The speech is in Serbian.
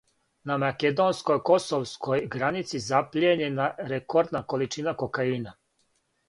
На македонско-косовској граници заплијењена рекордна количина кокаина